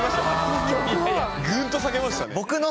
ぐんと下げましたね。